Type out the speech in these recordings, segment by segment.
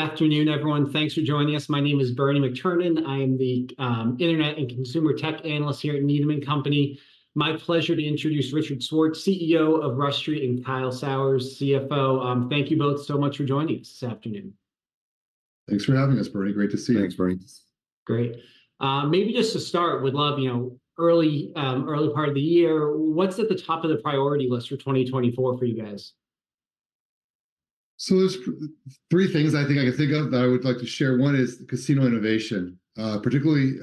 Good afternoon, everyone. Thanks for joining us. My name is Bernie McTernan. I am the internet and consumer tech analyst here at Needham & Company. My pleasure to introduce Richard Schwartz, CEO of Rush Street, and Kyle Sauers, CFO. Thank you both so much for joining us this afternoon. Thanks for having us, Bernie. Great to see you. Thanks, Bernie. Great. Maybe just to start, would love, you know, early part of the year, what's at the top of the priority list for 2024 for you guys? So there's three things I think I can think of that I would like to share. One is casino innovation, particularly,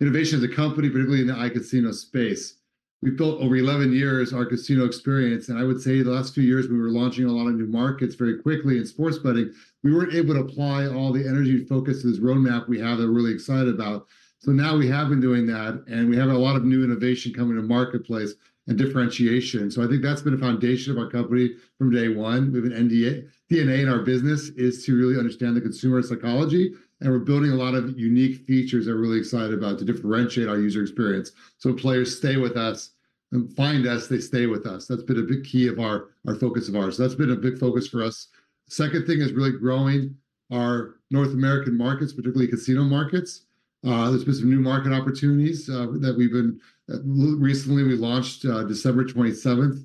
innovation as a company, particularly in the iCasino space. We've built over 11 years our casino experience, and I would say the last few years we were launching a lot of new markets very quickly in sports betting. We weren't able to apply all the energy, focus, to this roadmap we have that we're really excited about. So now we have been doing that, and we have a lot of new innovation coming to marketplace and differentiation. So I think that's been a foundation of our company from day one. We have a DNA in our business is to really understand the consumer psychology, and we're building a lot of unique features we're really excited about to differentiate our user experience. So players stay with us, and find us, they stay with us. That's been a big key of our, our focus of ours. That's been a big focus for us. Second thing is really growing our North American markets, particularly casino markets. There's been some new market opportunities that we've recently launched December 27th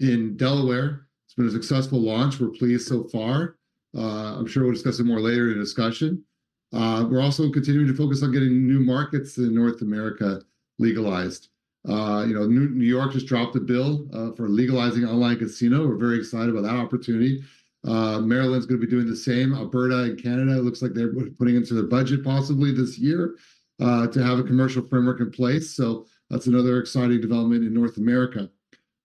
in Delaware. It's been a successful launch. We're pleased so far. I'm sure we'll discuss it more later in the discussion. We're also continuing to focus on getting new markets in North America legalized. You know, New York just dropped a bill for legalizing online casino. We're very excited about that opportunity. Maryland's gonna be doing the same. Alberta in Canada, it looks like they're putting into their budget possibly this year to have a commercial framework in place, so that's another exciting development in North America.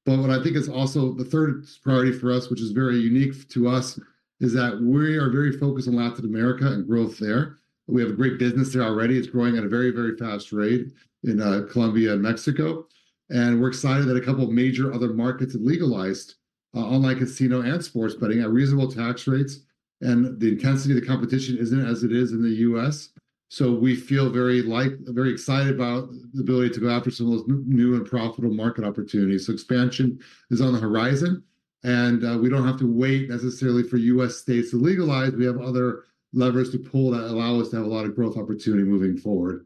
But what I think is also the third priority for us, which is very unique to us, is that we are very focused on Latin America and growth there. We have a great business there already. It's growing at a very, very fast rate in Colombia and Mexico, and we're excited that a couple of major other markets have legalized online casino and sports betting at reasonable tax rates, and the intensity of the competition isn't as it is in the US. So we feel very excited about the ability to go after some of those new and profitable market opportunities. So expansion is on the horizon, and we don't have to wait necessarily for U.S. states to legalize. We have other levers to pull that allow us to have a lot of growth opportunity moving forward.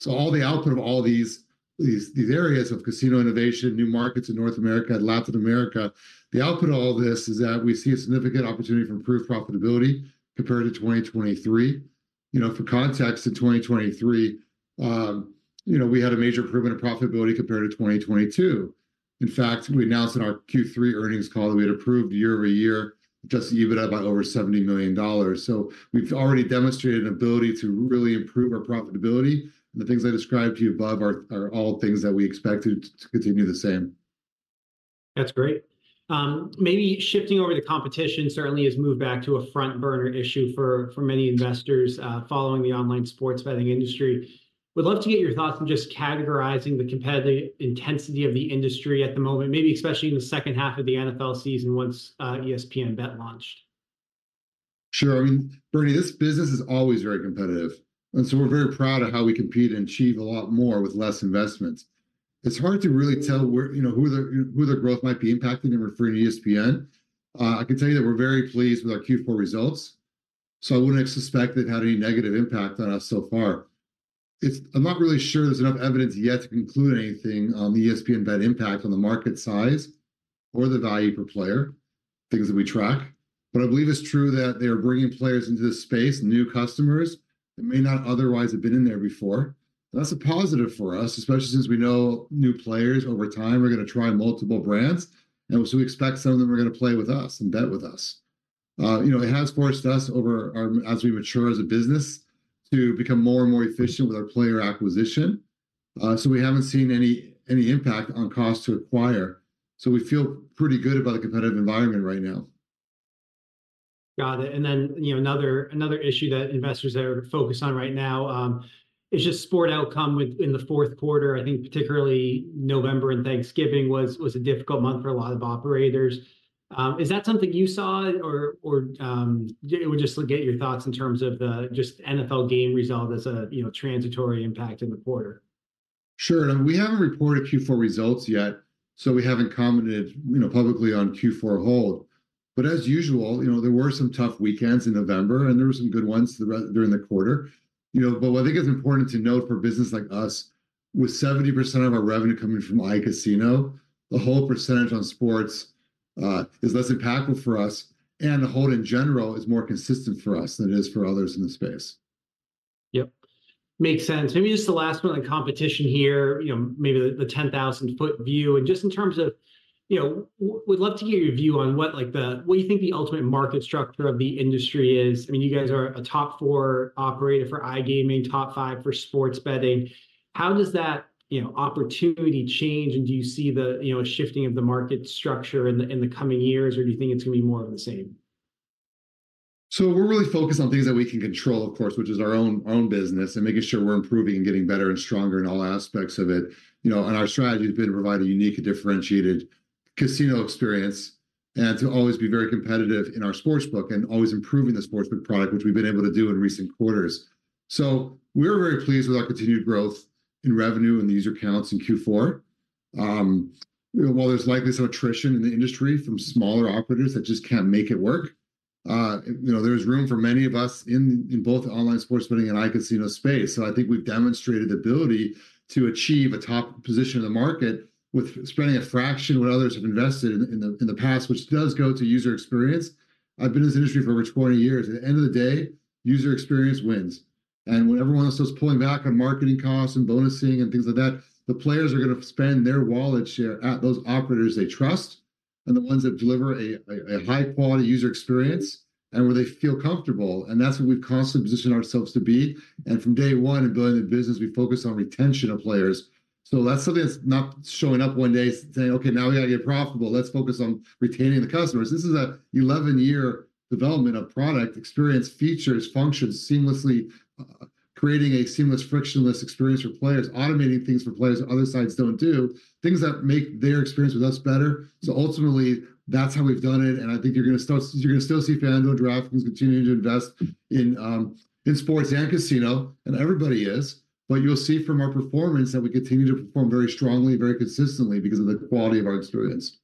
So all the output of all these, these, these areas of casino innovation, new markets in North America and Latin America, the output of all this is that we see a significant opportunity to improve profitability compared to 2023. You know, for context, in 2023, you know, we had a major improvement of profitability compared to 2022. In fact, we announced in our Q3 earnings call that we had improved year-over-year Adjusted EBITDA by over $70 million. So we've already demonstrated an ability to really improve our profitability, and the things I described to you above are all things that we expect to continue the same. That's great. Maybe shifting over to competition certainly has moved back to a front-burner issue for many investors following the online sports betting industry. Would love to get your thoughts on just categorizing the competitive intensity of the industry at the moment, maybe especially in the second half of the NFL season once ESPN BET launched. Sure. I mean, Bernie, this business is always very competitive, and so we're very proud of how we compete and achieve a lot more with less investment. It's hard to really tell where, you know, who the, who the growth might be impacted in referring to ESPN. I can tell you that we're very pleased with our Q4 results, so I wouldn't suspect it had any negative impact on us so far. It's. I'm not really sure there's enough evidence yet to conclude anything on the ESPN BET impact on the market size or the value per player, things that we track. But I believe it's true that they are bringing players into this space, new customers, that may not otherwise have been in there before. That's a positive for us, especially since we know new players over time are gonna try multiple brands, and so we expect some of them are gonna play with us and bet with us. You know, it has forced us over our... as we mature as a business, to become more and more efficient with our player acquisition. So we haven't seen any impact on cost to acquire, so we feel pretty good about the competitive environment right now. Got it. And then, you know, another issue that investors are focused on right now, is just sports outcome within the Q4. I think particularly November and Thanksgiving was a difficult month for a lot of operators. Is that something you saw? Or, yeah, we'd just like to get your thoughts in terms of just the NFL game result as a, you know, transitory impact in the quarter. Sure. We haven't reported Q4 results yet, so we haven't commented, you know, publicly on Q4 hold. But as usual, you know, there were some tough weekends in November, and there were some good ones the rest during the quarter. You know, but what I think is important to note, for a business like us, with 70% of our revenue coming from iCasino, the hold percentage on sports is less impactful for us, and the hold in general is more consistent for us than it is for others in the space. Yep. Makes sense. Maybe just the last one on competition here, you know, maybe the 10,000-foot view. Just in terms of, you know, would love to get your view on what, like, what you think the ultimate market structure of the industry is. I mean, you guys are a top four operator for iGaming, top five for sports betting. How does that, you know, opportunity change, and do you see the, you know, shifting of the market structure in the, in the coming years, or do you think it's gonna be more of the same? So we're really focused on things that we can control, of course, which is our own, own business, and making sure we're improving and getting better and stronger in all aspects of it. You know, and our strategy has been to provide a unique and differentiated casino experience, and to always be very competitive in our sports book, and always improving the sports book product, which we've been able to do in recent quarters. So we're very pleased with our continued growth in revenue and the user accounts in Q4. You know, while there's likely some attrition in the industry from smaller operators that just can't make it work, you know, there's room for many of us in both online sports betting and iCasino space. So I think we've demonstrated ability to achieve a top position in the market with spending a fraction of what others have invested in the past, which does go to user experience. I've been in this industry for over 20 years. At the end of the day, user experience wins, and when everyone else is pulling back on marketing costs and bonusing and things like that, the players are gonna spend their wallet share at those operators they trust, and the ones that deliver a high-quality user experience and where they feel comfortable. And that's what we've constantly positioned ourselves to be, and from day one of building the business, we focused on retention of players. So that's something that's not showing up one day, saying, "Okay, now we've gotta get profitable. Let's focus on retaining the customers." This is an 11-year development of product, experience, features, functions, seamlessly creating a seamless, frictionless experience for players, automating things for players that other sites don't do, things that make their experience with us better. So ultimately, that's how we've done it, and I think you're gonna still see FanDuel and DraftKings continuing to invest in sports and casino, and everybody is. But you'll see from our performance that we continue to perform very strongly, very consistently because of the quality of our experience.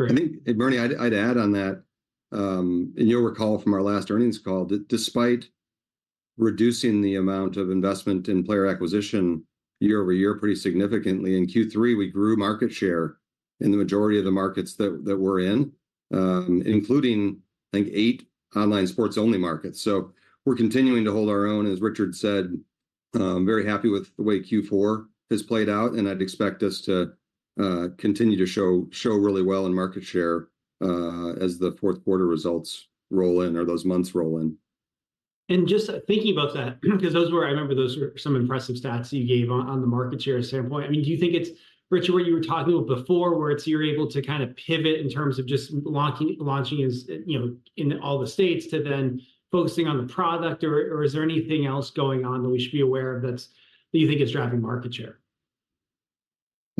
I think, and Bernie, I'd add on that, and you'll recall from our last earnings call, that despite reducing the amount of investment in player acquisition year-over-year pretty significantly, in Q3 we grew market share in the majority of the markets that we're in, including, I think, eight online sports-only markets. So we're continuing to hold our own, as Richard said, very happy with the way Q4 has played out, and I'd expect us to continue to show really well in market share, as the Q4 results roll in or those months roll in. And just thinking about that, 'cause those were... I remember those were some impressive stats you gave on the market share standpoint. I mean, do you think it's, Richard, what you were talking about before, where it's you're able to kind of pivot in terms of just launching as, you know, in all the states to then focusing on the product, or is there anything else going on that we should be aware of that's that you think is driving market share?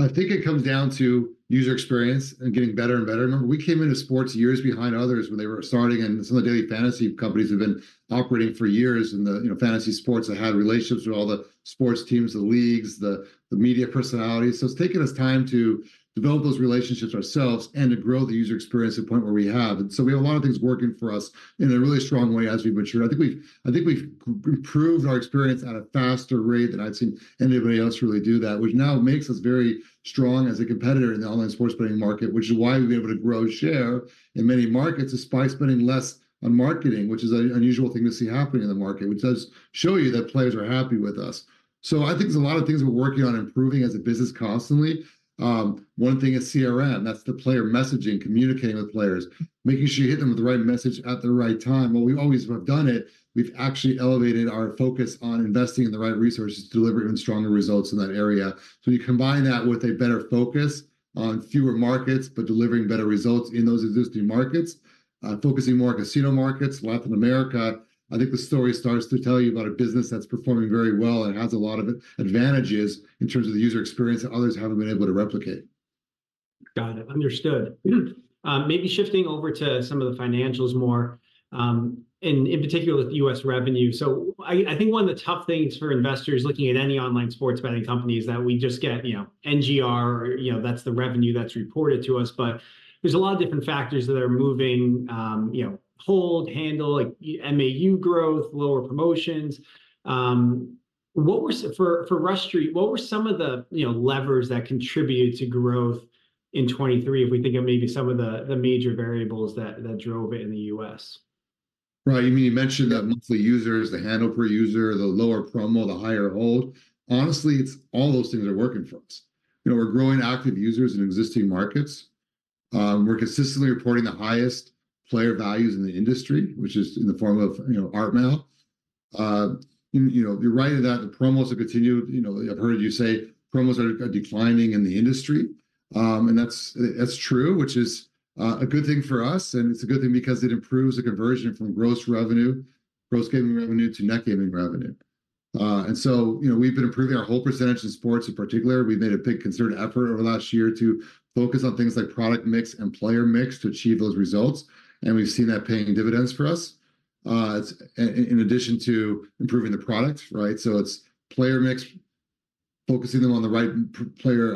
I think it comes down to user experience and getting better and better. Remember, we came into sports years behind others when they were starting, and some of the daily fantasy companies have been operating for years, and the, you know, fantasy sports that had relationships with all the sports teams, the leagues, the media personalities. So it's taken us time to develop those relationships ourselves and to grow the user experience to the point where we have. So we have a lot of things working for us in a really strong way as we mature. I think we've improved our experience at a faster rate than I'd seen anybody else really do that, which now makes us very strong as a competitor in the online sports betting market, which is why we've been able to grow share in many markets, despite spending less on marketing, which is an unusual thing to see happening in the market, which does show you that players are happy with us. So I think there's a lot of things we're working on improving as a business constantly. One thing is CRM. That's the player messaging, communicating with players, making sure you hit them with the right message at the right time. Well, we always have done it. We've actually elevated our focus on investing in the right resources to deliver even stronger results in that area. So you combine that with a better focus on fewer markets, but delivering better results in those existing markets, focusing more on casino markets, Latin America, I think the story starts to tell you about a business that's performing very well and has a lot of advantages in terms of the user experience that others haven't been able to replicate. Got it. Understood. Maybe shifting over to some of the financials more, and in particular with the U.S. revenue. So I, I think one of the tough things for investors looking at any online sports betting company is that we just get, you know, NGR, you know, that's the revenue that's reported to us, but there's a lot of different factors that are moving, you know, hold, handle, like, MAU growth, lower promotions. What were some... For, for Rush Street, what were some of the, you know, levers that contributed to growth in 2023, if we think of maybe some of the, the major variables that, that drove it in the U.S.? Right, you mean, you mentioned that monthly users, the handle per user, the lower promo, the higher hold. Honestly, it's all those things are working for us. You know, we're growing active users in existing markets. We're consistently reporting the highest player values in the industry, which is in the form of, you know, ARPMAU. You know, you're right, that the promos have continued. You know, I've heard you say promos are declining in the industry. And that's true, which is a good thing for us, and it's a good thing because it improves the conversion from gross revenue, gross gaming revenue to net gaming revenue. And so, you know, we've been improving our hold percentage in sports in particular. We've made a big concerted effort over the last year to focus on things like product mix and player mix to achieve those results, and we've seen that paying dividends for us. In addition to improving the product, right? So it's player mix, focusing them on the right player,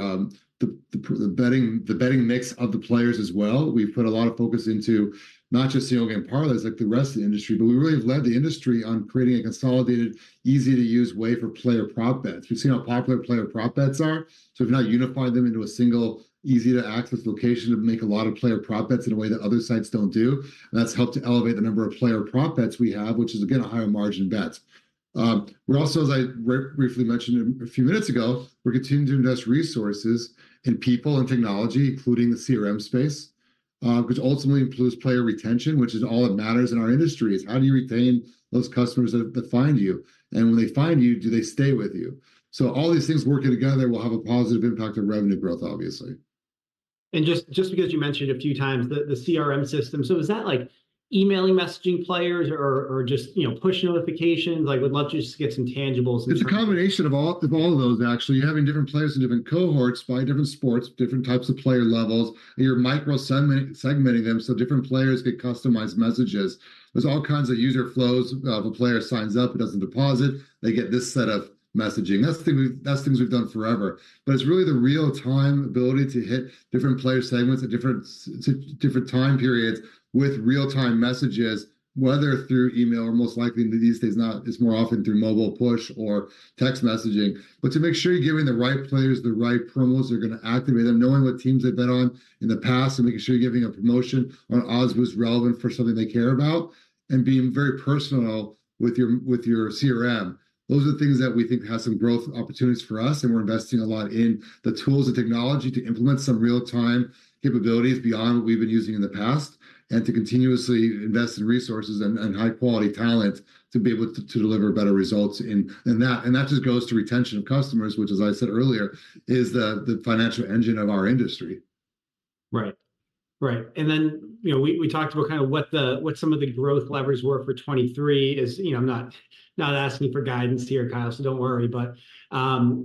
the betting mix of the players as well. We've put a lot of focus into not just the old parlays, like the rest of the industry, but we really have led the industry on creating a consolidated, easy-to-use way for player prop bets. We've seen how popular player prop bets are, so we've now unified them into a single, easy-to-access location to make a lot of player prop bets in a way that other sites don't do. And that's helped to elevate the number of player prop bets we have, which is, again, a higher margin bets. We're also, as I briefly mentioned a few minutes ago, continuing to invest resources in people and technology, including the CRM space, which ultimately improves player retention, which is all that matters in our industry, is how do you retain those customers that find you? And when they find you, do they stay with you? So all these things working together will have a positive impact on revenue growth, obviously. Just because you mentioned a few times, the CRM system, so is that like emailing, messaging players or just you know push notifications? Like, would love to just get some tangibles- It's a combination of all, of all of those, actually. You're having different players in different cohorts by different sports, different types of player levels, and you're microsegmenting them so different players get customized messages. There's all kinds of user flows. If a player signs up and doesn't deposit, they get this set of messaging. That's the thing that's things we've done forever. But it's really the real-time ability to hit different player segments at different time periods with real-time messages, whether through email or most likely these days, it's more often through mobile push or text messaging. But to make sure you're giving the right players the right promos that are gonna activate them, knowing what teams they've bet on in the past, and making sure you're giving a promotion on odds was relevant for something they care about, and being very personal with your CRM. Those are the things that we think have some growth opportunities for us, and we're investing a lot in the tools and technology to implement some real-time capabilities beyond what we've been using in the past, and to continuously invest in resources and high-quality talent to be able to deliver better results in that. And that just goes to retention of customers, which, as I said earlier, is the financial engine of our industry. Right. Right. And then, you know, we talked about kinda what some of the growth levers were for 2023. As you know, I'm not asking for guidance here, Kyle, so don't worry. But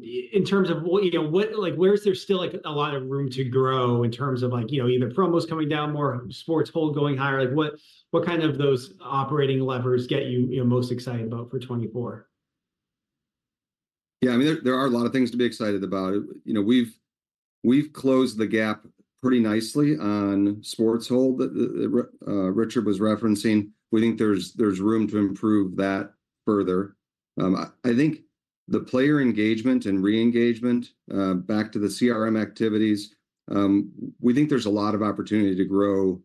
in terms of what, you know... Like, where is there still, like, a lot of room to grow in terms of, like, you know, either promos coming down more, sports hold going higher? Like, what kind of those operating levers get you, you know, most excited about for 2024? Yeah, I mean, there are a lot of things to be excited about. You know, we've closed the gap pretty nicely on sports hold that Richard was referencing. We think there's room to improve that further. I think the player engagement and re-engagement back to the CRM activities, we think there's a lot of opportunity to grow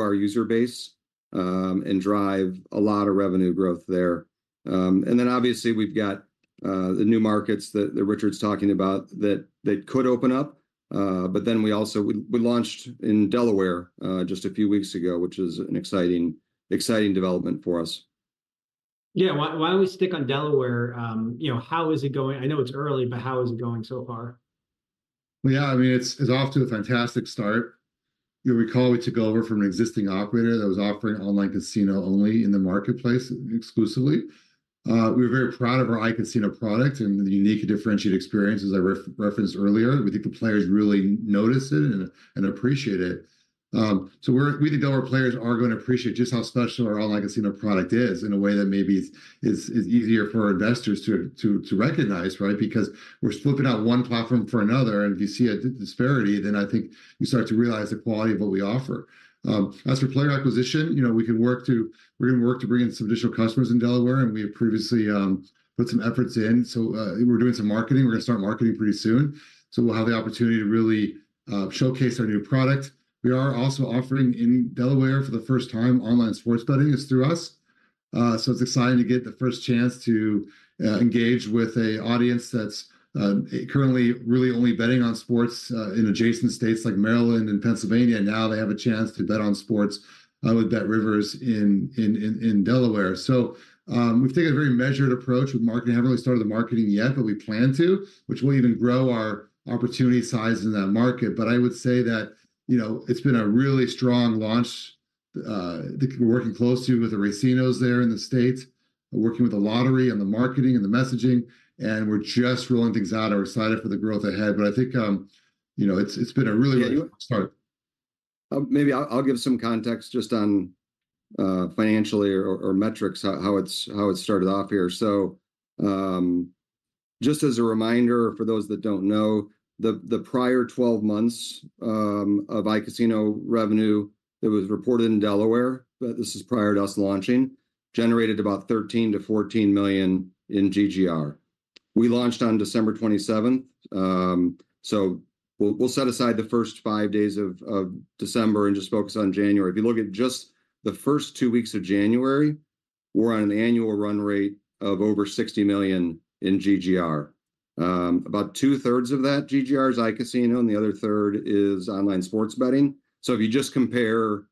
our user base and drive a lot of revenue growth there. And then obviously, we've got the new markets that Richard's talking about that could open up. But then we also launched in Delaware just a few weeks ago, which is an exciting development for us. Yeah. Why, why don't we stick on Delaware? You know, how is it going? I know it's early, but how is it going so far? Yeah, I mean, it's off to a fantastic start. You'll recall we took over from an existing operator that was offering online casino only in the marketplace, exclusively. We're very proud of our iCasino product and the unique and differentiated experience, as I referenced earlier. We think the players really notice it and appreciate it. We think Delaware players are going to appreciate just how special our online casino product is in a way that maybe is easier for our investors to recognize, right? Because we're swapping out one platform for another, and if you see a disparity, then I think you start to realize the quality of what we offer. As for player acquisition, you know, we can work—we're gonna work to bring in some additional customers in Delaware, and we have previously put some efforts in. So, we're doing some marketing. We're gonna start marketing pretty soon, so we'll have the opportunity to really showcase our new product. We are also offering in Delaware, for the first time, online sports betting through us. So it's exciting to get the first chance to engage with an audience that's currently really only betting on sports in adjacent states like Maryland and Pennsylvania. Now they have a chance to bet on sports with BetRivers in Delaware. So, we've taken a very measured approach with marketing. Haven't really started the marketing yet, but we plan to, which will even grow our opportunity size in that market. But I would say that, you know, it's been a really strong launch. They've been working closely with the racinos there in the state, working with the lottery and the marketing and the messaging, and we're just rolling things out and we're excited for the growth ahead. But I think, you know, it's been a really, really- Yeah, you-... great start. Maybe I'll give some context just on financially or metrics, how it started off here. So, just as a reminder for those that don't know, the prior 12 months of iCasino revenue that was reported in Delaware, but this is prior to us launching, generated about $13-14 million in GGR. We launched on December 27th, so we'll set aside the first 5 days of December and just focus on January. If you look at just the first 2 weeks of January, we're on an annual run rate of over $60 million in GGR. About two-thirds of that GGR is iCasino, and the other third is online sports betting. So if you just compare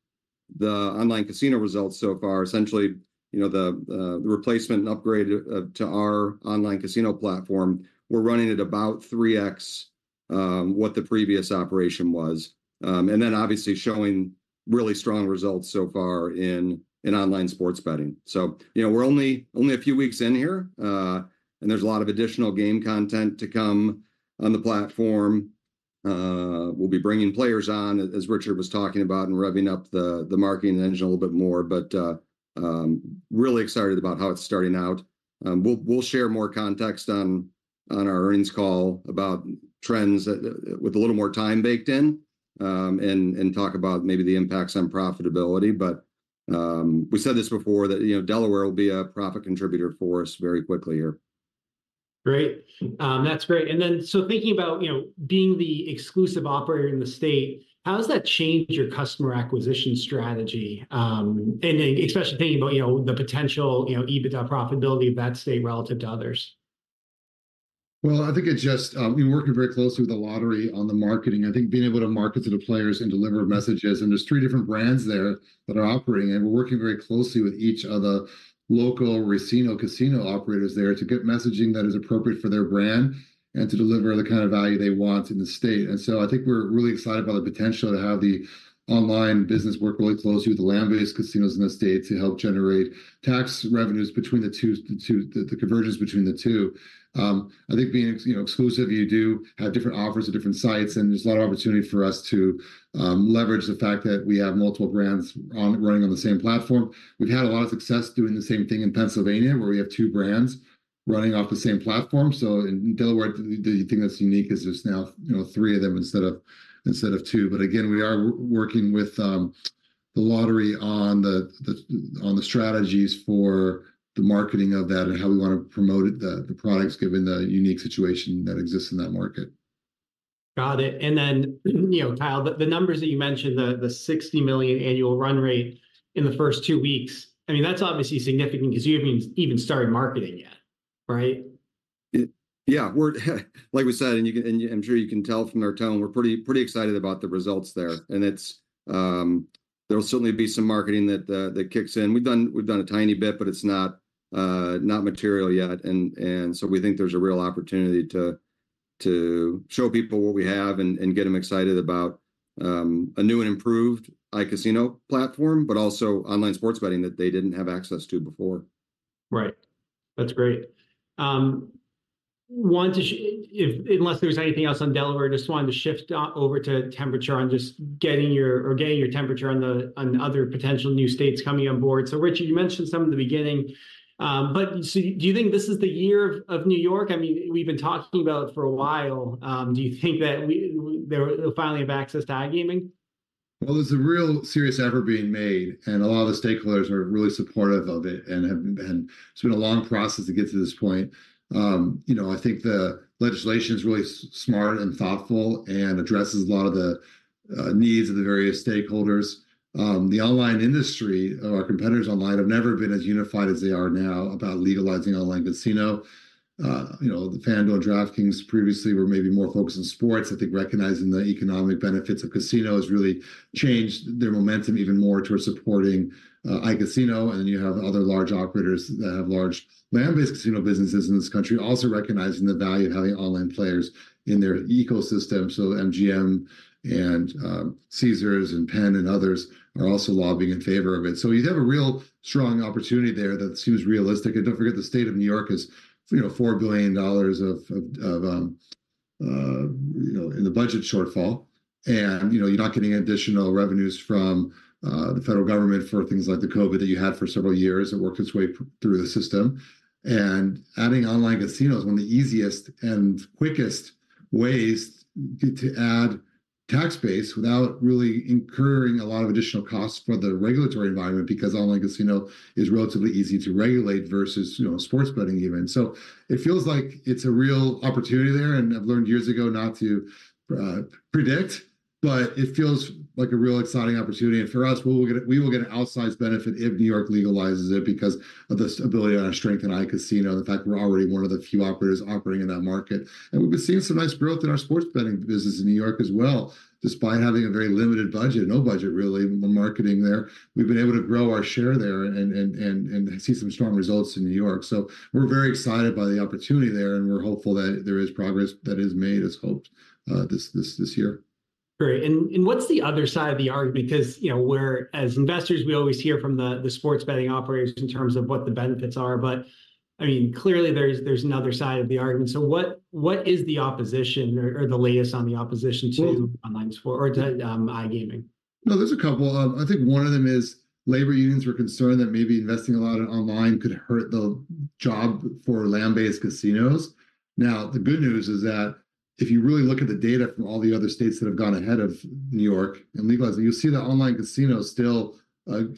the online casino results so far, essentially, you know, the replacement and upgrade to our online casino platform, we're running at about 3x what the previous operation was. And then obviously showing really strong results so far in online sports betting. So, you know, we're only a few weeks in here, and there's a lot of additional game content to come on the platform. We'll be bringing players on, as Richard was talking about, and revving up the marketing engine a little bit more, but really excited about how it's starting out. We'll share more context on our earnings call about trends with a little more time baked in, and talk about maybe the impacts on profitability. We said this before, that, you know, Delaware will be a profit contributor for us very quickly here. Great. That's great. And then, so thinking about, you know, being the exclusive operator in the state, how does that change your customer acquisition strategy? And especially thinking about, you know, the potential, you know, EBITDA profitability of that state relative to others.... Well, I think it just, we're working very closely with the lottery on the marketing. I think being able to market to the players and deliver messages, and there's three different brands there that are operating, and we're working very closely with each of the local racino, casino operators there to get messaging that is appropriate for their brand and to deliver the kind of value they want in the state. And so I think we're really excited about the potential to have the online business work really closely with the land-based casinos in the state to help generate tax revenues between the two, the convergence between the two. I think being exclusive, you know, you do have different offers at different sites, and there's a lot of opportunity for us to leverage the fact that we have multiple brands on running on the same platform. We've had a lot of success doing the same thing in Pennsylvania, where we have two brands running off the same platform. So in Delaware, the thing that's unique is there's now, you know, three of them instead of two. But again, we are working with the lottery on the strategies for the marketing of that and how we wanna promote it, the products, given the unique situation that exists in that market. Got it. And then, you know, Kyle, the numbers that you mentioned, the $60 million annual run rate in the first two weeks, I mean, that's obviously significant because you haven't even started marketing yet, right? Yeah, we're, like we said, and I'm sure you can tell from our tone, we're pretty, pretty excited about the results there. And it's... There'll certainly be some marketing that kicks in. We've done, we've done a tiny bit, but it's not material yet. And so we think there's a real opportunity to show people what we have and get them excited about a new-and-improved iCasino platform, but also online sports betting that they didn't have access to before. Right. That's great. Want to, if unless there's anything else on Delaware, just wanted to shift over to temperature on just getting your temperature on the other potential new states coming on board. So, Richard, you mentioned some in the beginning, but so do you think this is the year of New York? I mean, we've been talking about it for a while. Do you think that we, they will finally have access to iGaming? Well, there's a real serious effort being made, and a lot of the stakeholders are really supportive of it and have been. It's been a long process to get to this point. You know, I think the legislation is really smart and thoughtful and addresses a lot of the needs of the various stakeholders. The online industry, our competitors online, have never been as unified as they are now about legalizing online casino. You know, FanDuel and DraftKings previously were maybe more focused on sports. I think recognizing the economic benefits of casino has really changed their momentum even more towards supporting iCasino. And then you have other large operators that have large land-based casino businesses in this country, also recognizing the value of having online players in their ecosystem. So MGM and Caesars, and PENN and others are also lobbying in favor of it. So you have a real strong opportunity there that seems realistic. And don't forget, the state of New York is, you know, $4 billion in the budget shortfall. And, you know, you're not getting additional revenues from the federal government for things like the COVID that you had for several years. It worked its way through the system. And adding online casino is one of the easiest and quickest ways to add tax base without really incurring a lot of additional costs for the regulatory environment, because online casino is relatively easy to regulate versus, you know, sports betting even. So it feels like it's a real opportunity there, and I've learned years ago not to predict, but it feels like a real exciting opportunity. And for us, we will get an outsized benefit if New York legalizes it because of the stability and our strength in iCasino. In fact, we're already one of the few operators operating in that market. And we've been seeing some nice growth in our sports betting business in New York as well. Despite having a very limited budget, no budget, really, in the marketing there, we've been able to grow our share there and see some strong results in New York. So we're very excited by the opportunity there, and we're hopeful that there is progress that is made as hoped this year. Great. And what's the other side of the argument? Because, you know, we're as investors, we always hear from the sports betting operators in terms of what the benefits are, but I mean, clearly there's another side of the argument. So what is the opposition or the latest on the opposition to- Well- - online sport or to iGaming? No, there's a couple. I think one of them is labor unions were concerned that maybe investing a lot in online could hurt the job for land-based casinos. Now, the good news is that, if you really look at the data from all the other states that have gone ahead of New York in legalizing, you'll see that online casinos still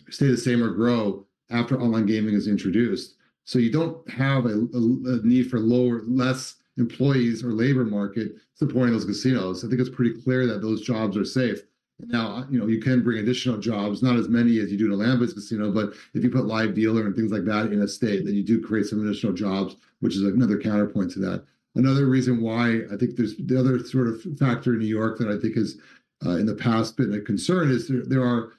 stay the same or grow after online gaming is introduced. So you don't have a need for less employees or labor market supporting those casinos. I think it's pretty clear that those jobs are safe. Now, you know, you can bring additional jobs, not as many as you do in a land-based casino, but if you put live dealer and things like that in a state, then you do create some additional jobs, which is another counterpoint to that. Another reason why I think there's the other sort of factor in New York that I think has in the past been a concern, is there an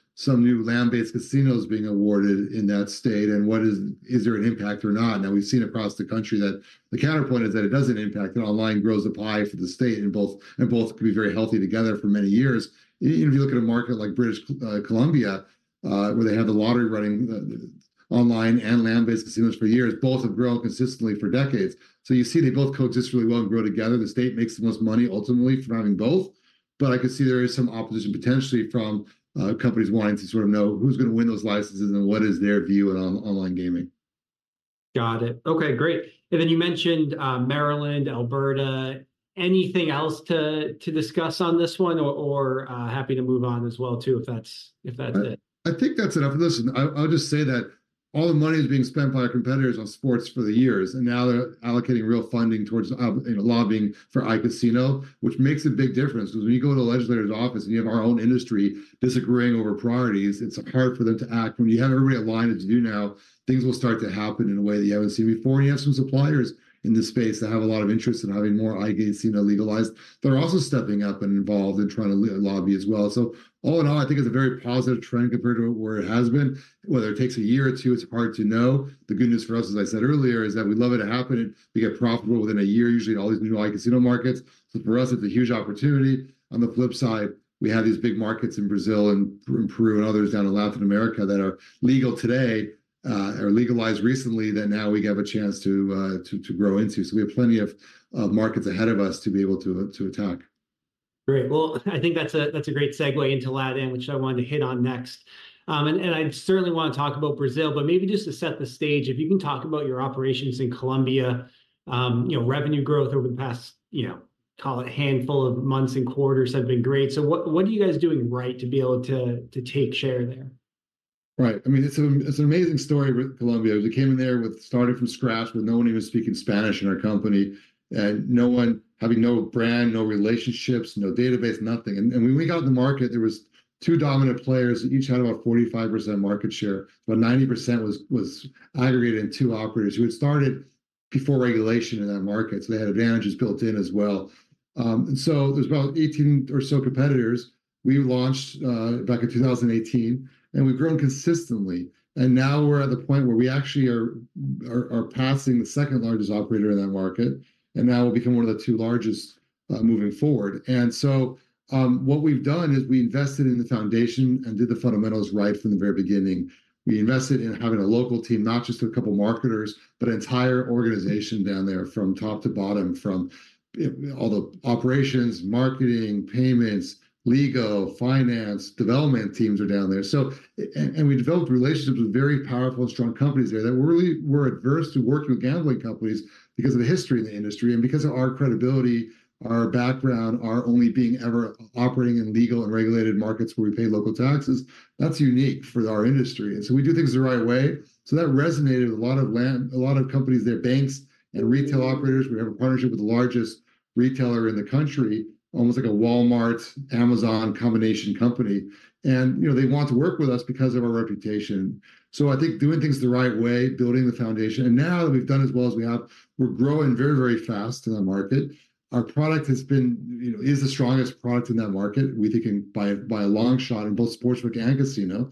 impact or not? Now, we've seen across the country that the counterpoint is that it doesn't impact, and online grows the pie for the state, and both can be very healthy together for many years. Even if you look at a market like British Columbia, where they have the lottery running online and land-based casinos for years, both have grown consistently for decades. So you see they both coexist really well and grow together. The state makes the most money ultimately from having both, but I can see there is some opposition potentially from companies wanting to sort of know who's gonna win those licenses and what is their view on online gaming. Got it. Okay, great. And then you mentioned Maryland, Alberta. Anything else to discuss on this one, or happy to move on as well too, if that's it? I think that's enough. Listen, I'll just say that... All the money is being spent by our competitors on sports for the years, and now they're allocating real funding towards, you know, lobbying for iCasino, which makes a big difference. Because when you go to a legislator's office and you have our own industry disagreeing over priorities, it's hard for them to act. When you have everybody aligned as you do now, things will start to happen in a way that you haven't seen before, and you have some suppliers in this space that have a lot of interest in having more iCasino legalized that are also stepping up and involved in trying to lobby as well. So all in all, I think it's a very positive trend compared to where it has been. Whether it takes a year or two, it's hard to know. The good news for us, as I said earlier, is that we'd love it to happen and to get profitable within a year, usually in all these new iCasino markets. So for us, it's a huge opportunity. On the flip side, we have these big markets in Brazil and Peru and others down in Latin America that are legal today, or legalized recently, that now we have a chance to grow into. So we have plenty of markets ahead of us to be able to attack. Great. Well, I think that's a great segue into Latin, which I wanted to hit on next. And I certainly want to talk about Brazil, but maybe just to set the stage, if you can talk about your operations in Colombia. You know, revenue growth over the past, you know, call it handful of months and quarters have been great. So what are you guys doing right to be able to take share there? Right. I mean, it's an amazing story with Colombia. We came in there starting from scratch, with no one even speaking Spanish in our company, and no one having no brand, no relationships, no database, nothing. And when we got in the market, there was two dominant players, each had about 45% market share, but 90% was aggregated in two operators who had started before regulation in that market, so they had advantages built in as well. And so there's about 18 or so competitors. We launched back in 2018, and we've grown consistently, and now we're at the point where we actually are passing the second-largest operator in that market, and now we've become one of the two largest moving forward. What we've done is we invested in the foundation and did the fundamentals right from the very beginning. We invested in having a local team, not just a couple of marketers, but an entire organization down there from top to bottom, from all the operations, marketing, payments, legal, finance, development teams are down there. We developed relationships with very powerful and strong companies there that really were adverse to working with gambling companies because of the history in the industry. Because of our credibility, our background, our only being ever operating in legal and regulated markets where we pay local taxes, that's unique for our industry, and so we do things the right way. That resonated with a lot of companies there, banks and retail operators. We have a partnership with the largest retailer in the country, almost like a Walmart, Amazon combination company, and, you know, they want to work with us because of our reputation. So I think doing things the right way, building the foundation, and now that we've done as well as we have, we're growing very, very fast in that market. Our product has been, you know, is the strongest product in that market, we think in, by, by a long shot in both sportsbook and casino.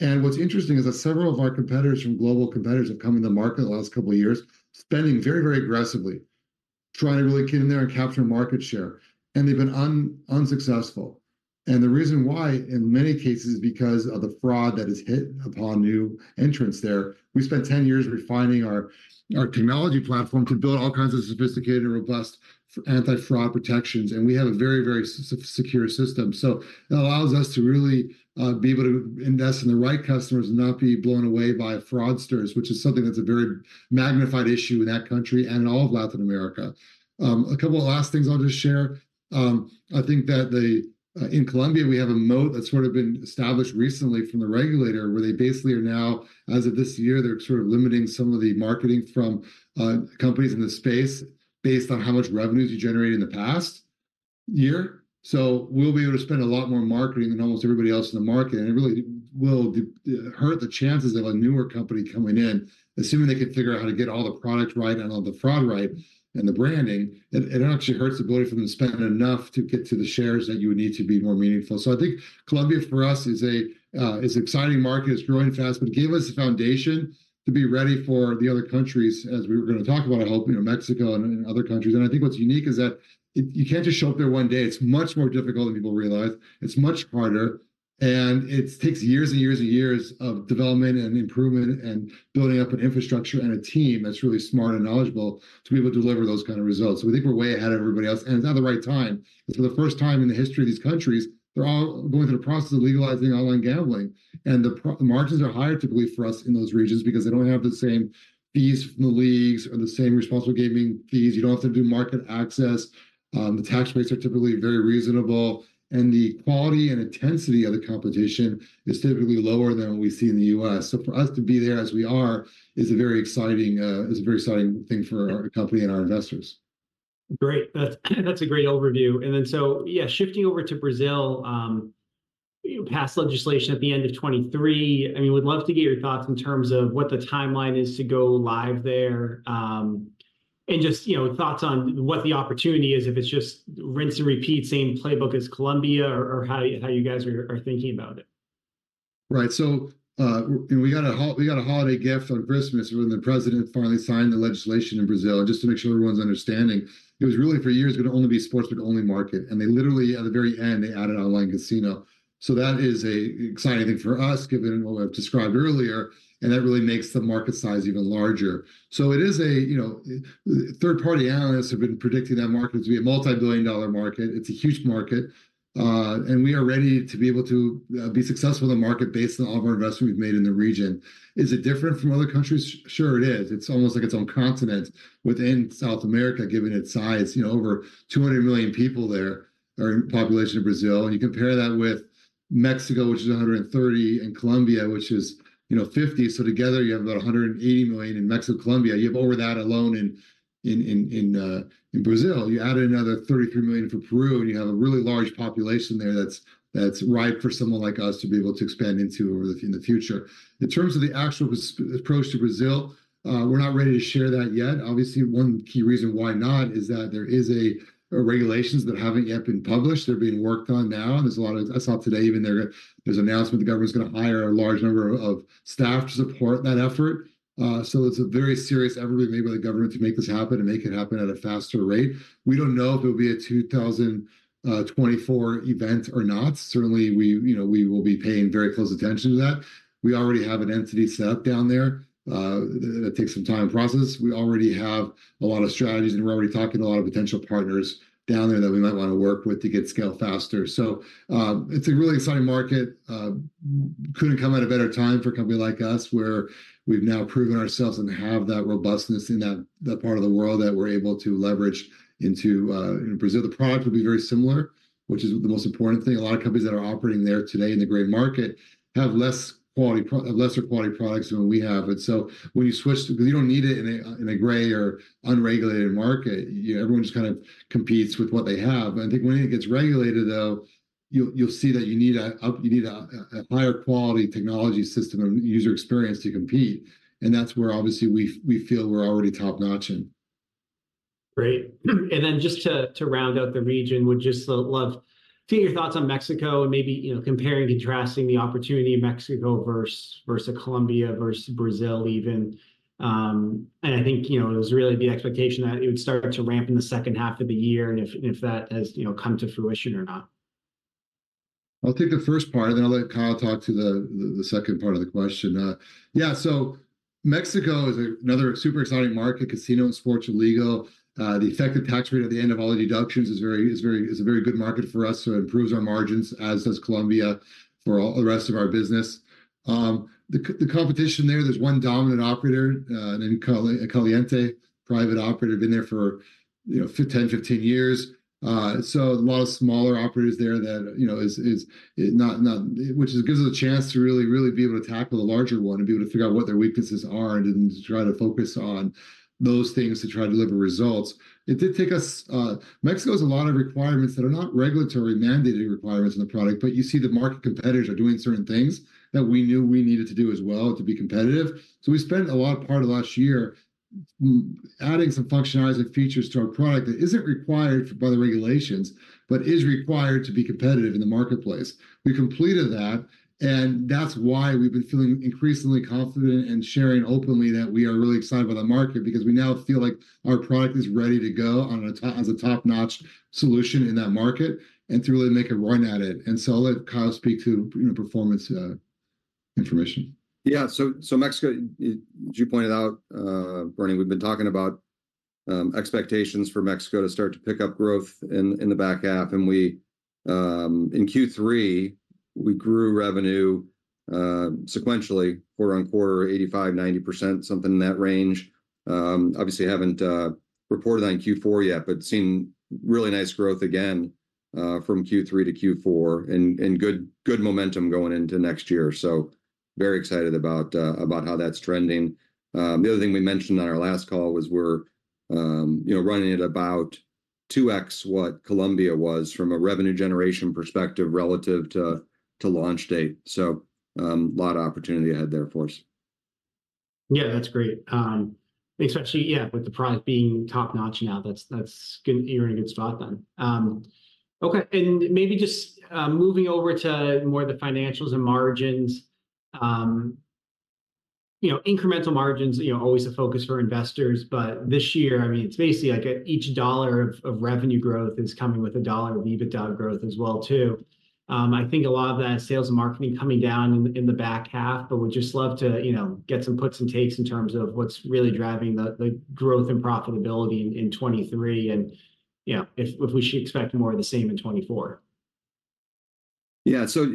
And what's interesting is that several of our competitors from global competitors have come in the market the last couple of years, spending very, very aggressively, trying to really get in there and capture market share, and they've been unsuccessful. And the reason why, in many cases, is because of the fraud that is hit upon new entrants there. We spent 10 years refining our technology platform to build all kinds of sophisticated and robust anti-fraud protections, and we have a very secure system. So it allows us to really be able to invest in the right customers and not be blown away by fraudsters, which is something that's a very magnified issue in that country and in all of Latin America. A couple of last things I'll just share. I think that in Colombia, we have a moat that's sort of been established recently from the regulator, where they basically are now, as of this year, they're sort of limiting some of the marketing from companies in the space based on how much revenues you generate in the past year. So we'll be able to spend a lot more marketing than almost everybody else in the market, and it really will hurt the chances of a newer company coming in, assuming they can figure out how to get all the product right and all the fraud right, and the branding. It actually hurts the ability for them to spend enough to get to the shares that you would need to be more meaningful. So I think Colombia, for us, is a is exciting market. It's growing fast, but it gave us the foundation to be ready for the other countries as we were going to talk about, I hope, you know, Mexico and other countries. And I think what's unique is that you can't just show up there one day. It's much more difficult than people realize. It's much harder, and it takes years and years and years of development and improvement and building up an infrastructure and a team that's really smart and knowledgeable to be able to deliver those kind of results. So we think we're way ahead of everybody else, and it's at the right time. For the first time in the history of these countries, they're all going through the process of legalizing online gambling. And the margins are higher, typically, for us in those regions because they don't have the same fees from the leagues or the same responsible gaming fees. You don't have to do market access. The tax rates are typically very reasonable, and the quality and intensity of the competition is typically lower than what we see in the U.S. So for us to be there as we are, is a very exciting, is a very exciting thing for our company and our investors. Great. That's, that's a great overview. And then, so yeah, shifting over to Brazil, you passed legislation at the end of 2023. I mean, we'd love to get your thoughts in terms of what the timeline is to go live there. And just, you know, thoughts on what the opportunity is, if it's just rinse and repeat, same playbook as Colombia or, or how, how you guys are, are thinking about it. Right. So, and we got a holiday gift on Christmas when the president finally signed the legislation in Brazil. Just to make sure everyone's understanding, it was really, for years, going to only be sportsbook-only market, and they literally, at the very end, they added online casino. So that is a exciting thing for us, given what I've described earlier, and that really makes the market size even larger. So it is a, you know... Third-party analysts have been predicting that market to be a multi-billion-dollar market. It's a huge market, and we are ready to be able to be successful in the market based on all of our investment we've made in the region. Is it different from other countries? Sure, it is. It's almost like its own continent within South America, given its size. You know, over 200 million people there are in population of Brazil. And you compare that with Mexico, which is 130, and Colombia, which is, you know, 50. So together you have about 180 million in Mexico and Colombia. You have over that alone in Brazil. You add another 33 million for Peru, and you have a really large population there that's ripe for someone like us to be able to expand into over the in the future. In terms of the actual approach to Brazil, we're not ready to share that yet. Obviously, one key reason why not is that there is regulations that haven't yet been published. They're being worked on now, and there's a lot of, I saw today even there, there's an announcement the government's gonna hire a large number of staff to support that effort. So it's a very serious effort being made by the government to make this happen and make it happen at a faster rate. We don't know if it'll be a 2024 event or not. Certainly, we, you know, we will be paying very close attention to that. We already have an entity set up down there. That takes some time to process. We already have a lot of strategies, and we're already talking to a lot of potential partners down there that we might wanna work with to get scale faster. So, it's a really exciting market. Couldn't come at a better time for a company like us, where we've now proven ourselves and have that robustness in that, that part of the world that we're able to leverage into in Brazil. The product will be very similar, which is the most important thing. A lot of companies that are operating there today in the gray market have less quality lesser quality products than what we have. But so when you switch... You don't need it in a gray or unregulated market. You know, everyone just kind of competes with what they have. But I think when it gets regulated, though, you'll see that you need a higher quality technology system and user experience to compete, and that's where obviously we feel we're already top-notch in. Great. And then just to round out the region, would just love to hear your thoughts on Mexico and maybe, you know, compare and contrasting the opportunity in Mexico versus Colombia, versus Brazil even. And I think, you know, it was really the expectation that it would start to ramp in the second half of the year, and if that has, you know, come to fruition or not. I'll take the first part, and then I'll let Kyle talk to the second part of the question. Yeah, so Mexico is another super exciting market, casino and sports and legal. The effective tax rate at the end of all the deductions is a very good market for us, so it improves our margins, as does Colombia, for all the rest of our business. The competition there, there's one dominant operator named Caliente, private operator, been there for, you know, 10-15 years. So a lot of smaller operators there that, you know, is not... Which gives us a chance to really, really be able to tackle the larger one and be able to figure out what their weaknesses are and try to focus on those things to try to deliver results. It did take us, Mexico has a lot of requirements that are not regulatory-mandated requirements in the product, but you see the market competitors are doing certain things that we knew we needed to do as well to be competitive. So we spent a lot of part of last year adding some functionalities and features to our product that isn't required by the regulations, but is required to be competitive in the marketplace. We completed that, and that's why we've been feeling increasingly confident and sharing openly that we are really excited about the market, because we now feel like our product is ready to go as a top-notch solution in that market, and to really make a run at it. And so I'll let Kyle speak to, you know, performance, information. Yeah. So Mexico, as you pointed out, Bernie, we've been talking about expectations for Mexico to start to pick up growth in the back half. And we in Q3, we grew revenue sequentially, quarter-on-quarter, 85%-90%, something in that range. Obviously haven't reported on Q4 yet, but seen really nice growth again from Q3 to Q4, and good momentum going into next year. So very excited about how that's trending. The other thing we mentioned on our last call was we're you know, running at about 2x what Colombia was from a revenue generation perspective relative to launch date. So a lot of opportunity ahead there for us. Yeah, that's great. Especially, yeah, with the product being top-notch now, that's, that's good. You're in a good spot then. Okay, and maybe just, moving over to more the financials and margins, you know, incremental margins, you know, always a focus for investors, but this year, I mean, it's basically like each dollar of, of revenue growth is coming with a dollar of EBITDA growth as well, too. I think a lot of that sales and marketing coming down in, in the back half, but would just love to, you know, get some puts and takes in terms of what's really driving the, the growth and profitability in, in 2023, and, you know, if, if we should expect more of the same in 2024. Yeah. So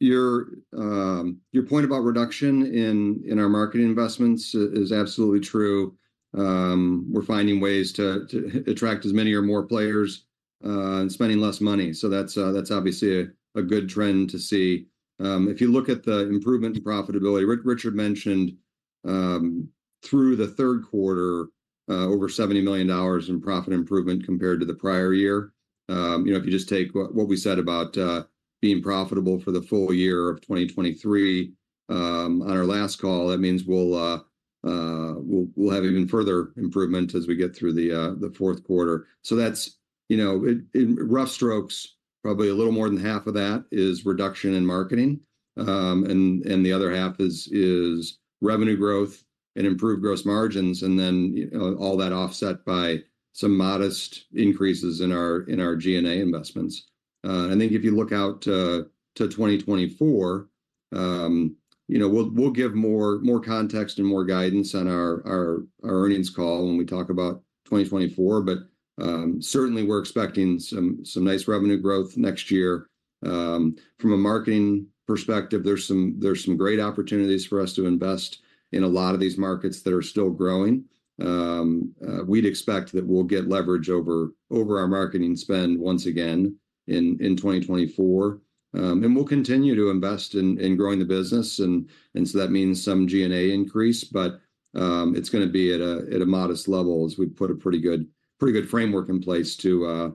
your point about reduction in our marketing investments is absolutely true. We're finding ways to attract as many or more players and spending less money, so that's obviously a good trend to see. If you look at the improvement in profitability, Richard mentioned, through the Q3, over $70 million in profit improvement compared to the prior year. You know, if you just take what we said about being profitable for the full year of 2023, on our last call, that means we'll have even further improvement as we get through the Q4. So that's, you know, in rough strokes, probably a little more than half of that is reduction in marketing, and the other half is revenue growth and improved gross margins, and then, you know, all that offset by some modest increases in our G&A investments. I think if you look out to 2024, you know, we'll give more context and more guidance on our earnings call when we talk about 2024, but, certainly we're expecting some nice revenue growth next year. From a marketing perspective, there's some great opportunities for us to invest in a lot of these markets that are still growing. We'd expect that we'll get leverage over our marketing spend once again in 2024. And we'll continue to invest in growing the business, and so that means some G&A increase, but it's gonna be at a modest level, as we've put a pretty good framework in place to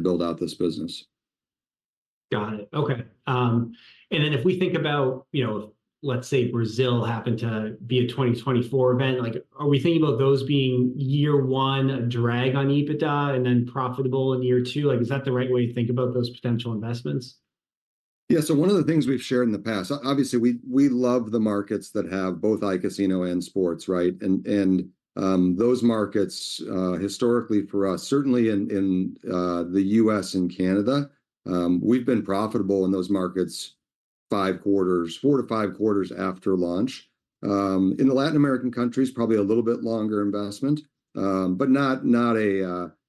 build out this business. Got it. Okay. And then if we think about, you know, let's say Brazil happened to be a 2024 event, like are we thinking about those being year one a drag on EBITDA and then profitable in year two? Like, is that the right way to think about those potential investments? Yeah. So one of the things we've shared in the past, obviously, we love the markets that have both iCasino and sports, right? And those markets, historically for us, certainly in the U.S. and Canada, we've been profitable in those markets 4-5 quarters after launch. In the Latin American countries, probably a little bit longer investment, but not a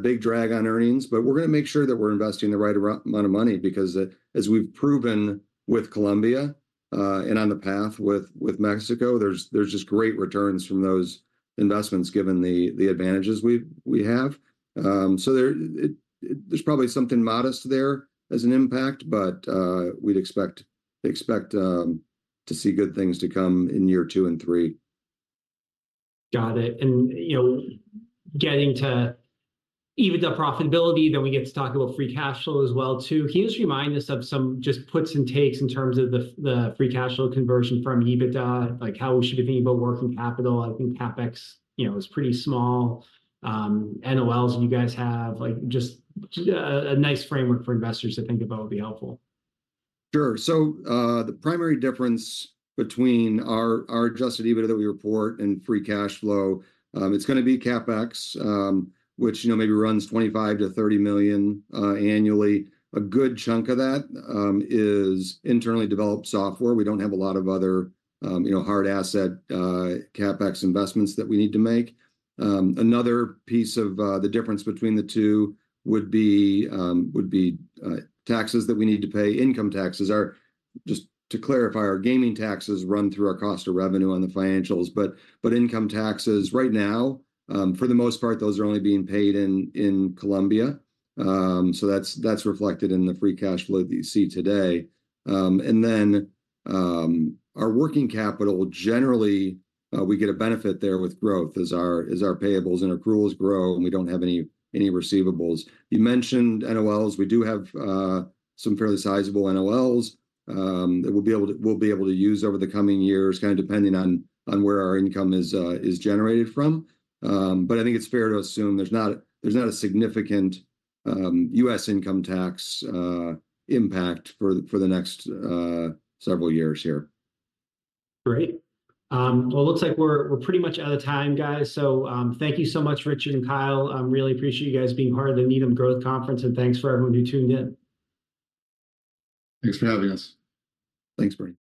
big drag on earnings. But we're gonna make sure that we're investing the right amount of money because, as we've proven with Colombia and on the path with Mexico, there's just great returns from those investments given the advantages we have. So, there's probably something modest there as an impact, but we'd expect to see good things to come in year two and three. Got it. And, you know, getting to EBITDA profitability, then we get to talk about free cash flow as well too. Can you just remind us of some just puts and takes in terms of the free cash flow conversion from EBITDA? Like how we should be thinking about working capital, I think CapEx, you know, is pretty small. NOLs, you guys have, like, just, a nice framework for investors to think about would be helpful. Sure. So, the primary difference between our Adjusted EBITDA that we report and free cash flow, it's gonna be CapEx, which, you know, maybe runs $25 million-$30 million annually. A good chunk of that is internally developed software. We don't have a lot of other, you know, hard asset CapEx investments that we need to make. Another piece of the difference between the two would be taxes that we need to pay. Income taxes are—just to clarify, our gaming taxes run through our cost of revenue on the financials, but income taxes, right now, for the most part, those are only being paid in Colombia. So that's reflected in the free cash flow that you see today. And then, our working capital, generally, we get a benefit there with growth, as our payables and accruals grow, and we don't have any receivables. You mentioned NOLs. We do have some fairly sizable NOLs that we'll be able to use over the coming years, kind of depending on where our income is generated from. But I think it's fair to assume there's not a significant U.S. income tax impact for the next several years here. Great. Well, it looks like we're pretty much out of time, guys. So, thank you so much, Richard and Kyle. I really appreciate you guys being part of the Needham Growth Conference, and thanks for everyone who tuned in. Thanks for having us. Thanks, Bernie.